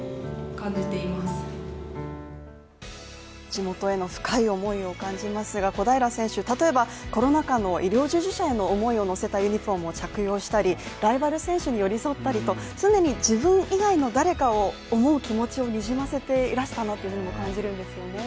地元への深い思いを感じますが小平選手、例えばコロナ禍の医療従事者への思いを乗せたユニフォームを着用したりライバル選手に寄り添ったりと常に自分以外の誰かを思う気持ちをにじませていらしたなというふうにも感じてました。